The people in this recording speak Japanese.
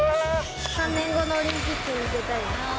３年後のオリンピックに出たい。